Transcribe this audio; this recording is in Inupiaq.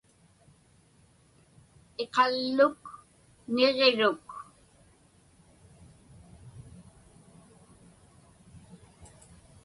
Iqalluk niġiruk.